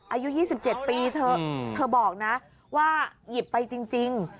อายุ๒๗ปีเธอเธอบอกนะว่าหยิบไปจริง